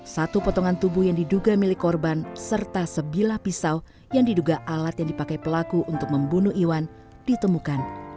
satu potongan tubuh yang diduga milik korban serta sebilah pisau yang diduga alat yang dipakai pelaku untuk membunuh iwan ditemukan